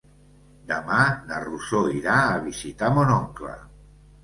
Demà na Rosó irà a visitar mon oncle.